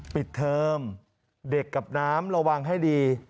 ปิดเทอมเด็กกับน้ำระวังให้ดี